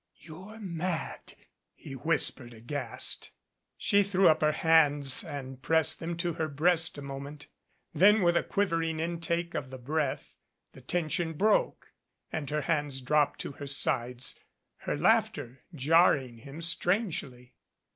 "You're mad," he whispered, aghast. She threw up her hands and pressed them to her breast a moment. Then, with a quivering intake of the breath, the tension broke, and her hands dropped to her sides, her laughter jarring him strangely.